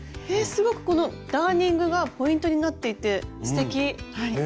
すごくこのダーニングがポイントになっていてすてき！ね。